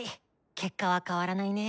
結果は変わらないね。